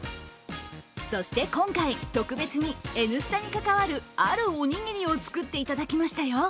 そして今回、特別に「Ｎスタ」に関わるあるおにぎりを作っていただきましたよ。